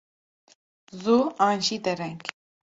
Zû an jî dereng.